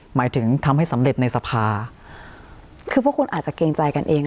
หมายถึงทำให้สำเร็จในสภาคือพวกคุณอาจจะเกรงใจกันเอง